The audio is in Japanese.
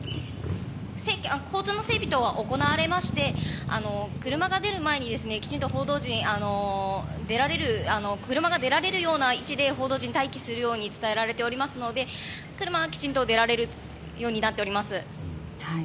交通の整備等は行われまして車が出る前に、きちんと報道陣車が出られるような位置で報道陣には、待機するように伝えられていますので車はきちんと出られるようになっております。